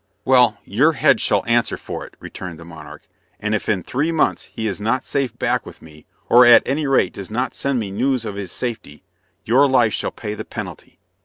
"Well, your head shall answer for it," returned the monarch, "and if in three months he is not safe back with me, or at any rate does not send me news of his safety, your life shall pay the penalty."